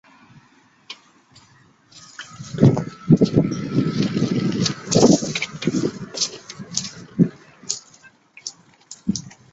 多称其为大阪单轨铁路。